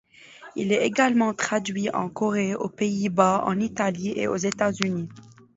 Il est également traduit en Corée, aux Pays-Bas, en Italie et aux États-Unis.